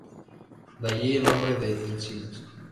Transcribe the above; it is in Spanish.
De allí el nombre de las enzimas.